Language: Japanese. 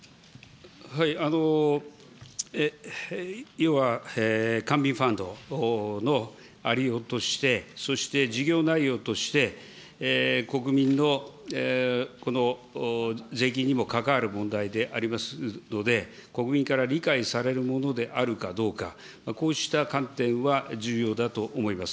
要は官民ファンドのありようとして、そして事業内容として、国民のこの税金にも関わる問題でありますので、国民から理解されるものであるかどうか、こうした観点は重要だと思います。